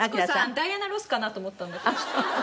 ダイアナ・ロスかなと思ったんだけど。